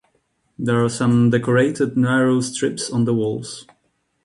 There are some decorated narrow strips on the walls.